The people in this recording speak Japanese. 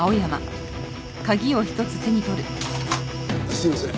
すいません。